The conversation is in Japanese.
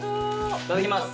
いただきます。